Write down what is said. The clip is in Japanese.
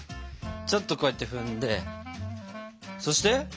ちょっとこうやって踏んでそして？